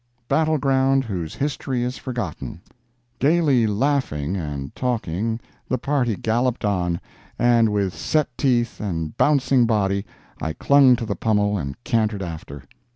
BATTLE GROUND WHOSE HISTORY IS FORGOTTEN Gayly laughing and talking, the party galloped on, and with set teeth and bouncing body I clung to the pommel and cantered after.